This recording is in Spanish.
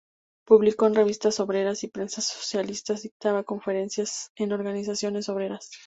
Publicó en revistas obreras y prensa socialista, dictaba conferencias en organizaciones obreras.